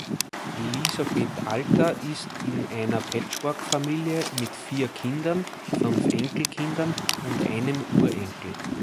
Elisabeth Alter ist in einer Patchworkfamilie mit vier Kindern, fünf Enkelkindern und einem Urenkel.